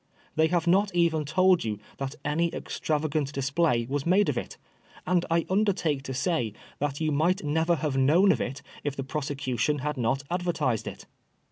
They have not even told you that any extravagant dis play was made of it ; and I undertake to say that you might never have known of it if the prosecution had not advertised it.